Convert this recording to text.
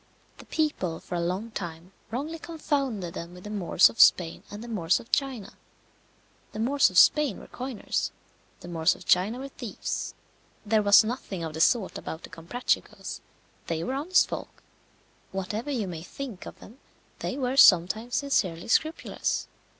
The people for a long time wrongly confounded them with the Moors of Spain and the Moors of China. The Moors of Spain were coiners, the Moors of China were thieves. There was nothing of the sort about the Comprachicos; they were honest folk. Whatever you may think of them, they were sometimes sincerely scrupulous.